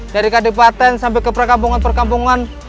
dari kadipaten sampai ke perkampungan perkampungan